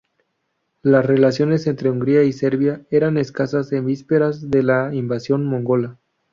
Las relaciones entre Hungría y Serbia eran escasas en vísperas de la invasión mongola.